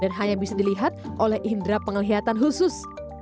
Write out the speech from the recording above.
dan hanya bisa dilihat oleh indera pengelihatan khusus